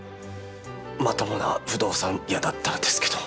まともな不動産屋だったらですけど。